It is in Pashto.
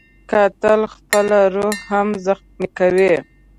قاتل خپله روح هم زخمي کوي